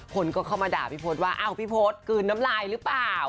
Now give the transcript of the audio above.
คนก็เข้ามาด่าพี่พศว่าอ้าวพี่พศกลืนน้ำลายหรือเปล่า